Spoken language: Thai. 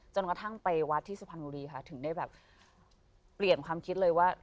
จนกระทั่งไปวัดที่สุพรรณบุรีค่ะถึงได้แบบเปลี่ยนความคิดเลยว่า